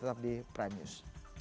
sampai jumpa di prime news